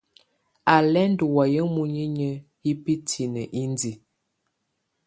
Á lɛ́ ndɔ́ wayɛ̀á muninyǝ́ ibǝ́tǝ́niǝ́ indiǝ.